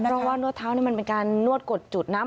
เพราะว่านวดเท้านี่มันเป็นการนวดกดจุดน้ำ